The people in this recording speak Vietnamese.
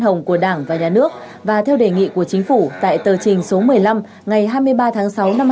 hồng của đảng và nhà nước và theo đề nghị của chính phủ tại tờ trình số một mươi năm ngày hai mươi ba tháng sáu năm hai nghìn một mươi